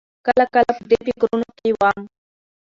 کله کله په دې فکرونو کې وم.